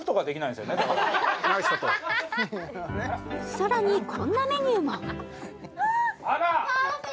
さらにこんなメニューもあっあら！